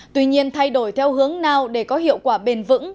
tuy nhiên thay đổi theo hướng nào để có hiệu quả bền vững